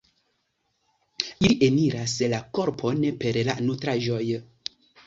Ili eniras la korpon per la nutraĵoj.